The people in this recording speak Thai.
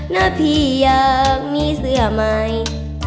นะพี่อยากมีเสื้อไหม